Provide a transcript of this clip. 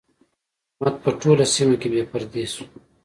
احمد په ټوله سيمه کې بې پردې شو.